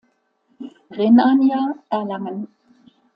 Rhenania Erlangen.